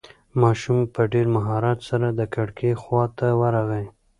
ماشوم په ډېر مهارت سره د کړکۍ خواته ورغی.